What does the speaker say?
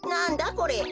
これ。